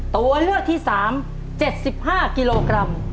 ตัวเลือกที่๓๗๕กิโลกรัม